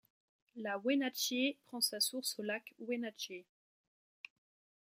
La Wenatchee prend sa source au Lac Wenatchee.